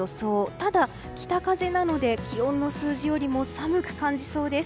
ただ、北風なので気温の数字よりも寒く感じそうです。